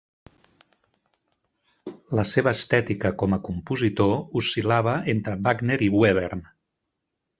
La seva estètica com a compositor oscil·lava entre Wagner i Webern.